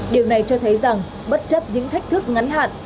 điều này cho thấy rằng bất chấp những thách thức ngắn hạn